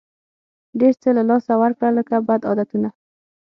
ډېر څه له لاسه ورکړه لکه بد عادتونه.